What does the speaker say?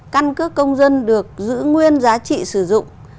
căn cước công dân được giữ nguyên giá trị sử dụng